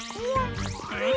あれ？